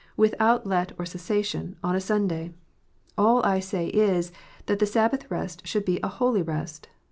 without let or cessation, on a Sunday. All I say is, that the Sunday rest should be a holy rest.